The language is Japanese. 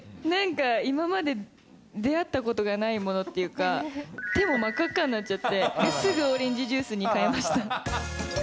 なんか、今まで出会ったことがないものっていうか、手も真っ赤っかになっちゃって、すぐオレンジジュースに替えました。